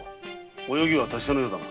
泳ぎは達者なようだな。